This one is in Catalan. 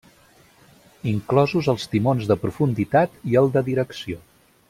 Inclosos els timons de profunditat i el de direcció.